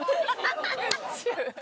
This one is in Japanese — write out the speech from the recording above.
ハハハハ！